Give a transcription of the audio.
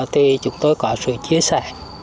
thì chúng tôi có sự chia sẻ